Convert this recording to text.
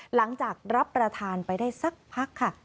หลังจากรับประทานไปได้สักพักค่ะ